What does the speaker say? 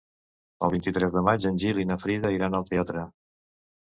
El vint-i-tres de maig en Gil i na Frida iran al teatre.